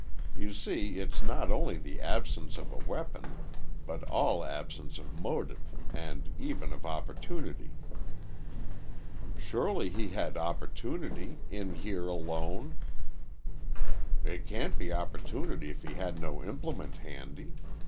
You see, it's not only the absence of a weapon, but all absence of motive, and even of opportunity." "Surely he had opportunity—in here alone." "It can't be opportunity if he had no implement handy.